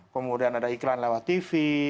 kemudian ada iklan lewat tv